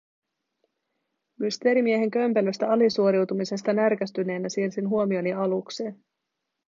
Mysteerimiehen kömpelöstä alisuoriutumisesta närkästyneenä siirsin huomioni alukseen.